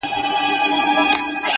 ارواښاد همېش خلیل